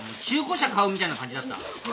中古車買うみたいな感じだった。